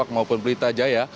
maupun prita jaya